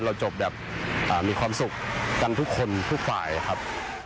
จบแบบมีความสุขกันทุกคนทุกฝ่ายครับ